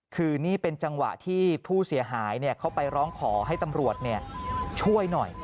คือนี่เป็นจังหวะที่ผู้เสียหายเขาไปร้องขอให้ตำรวจช่วยหน่อย